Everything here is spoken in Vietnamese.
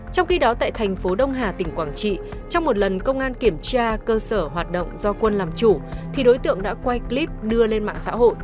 trong khi đó tại thành phố đông hà tỉnh quảng trị trong một lần công an kiểm tra cơ sở hoạt động do quân làm chủ thì đối tượng đã quay clip đưa lên mạng xã hội